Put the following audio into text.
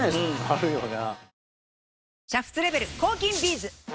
あるよな。